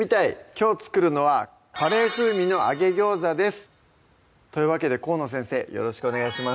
きょう作るのは「カレー風味の揚げ餃子」ですというわけで河野先生よろしくお願いします